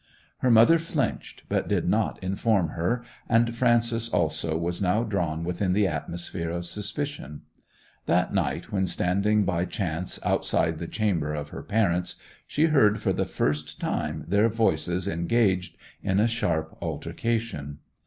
Her mother flinched, but did not inform her, and Frances also was now drawn within the atmosphere of suspicion. That night when standing by chance outside the chamber of her parents she heard for the first time their voices engaged in a sharp altercation.